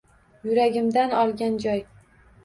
Yuragimdan olgan joy.